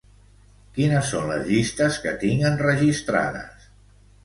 Quines són les llistes que tinc enregistrades?